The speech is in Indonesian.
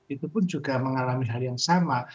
itu pun juga mengalami hal yang sama